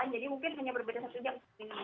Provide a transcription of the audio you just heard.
mungkin hanya berbeda satu jam